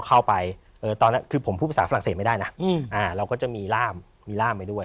คือผมพูดภาษาฝรั่งเศสไม่ได้นะเราก็จะมีร่ามไปด้วย